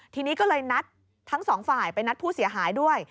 ทีนี้ก็เลยนัดทั้งสองฝ่ายไปนัดผู้เสียหายด้วย